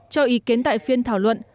cho ý kiến tại phiên thảo luận